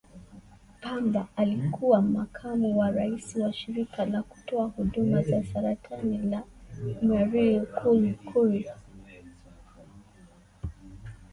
Cotton was a Vice President of the Marie Curie Cancer Care charity.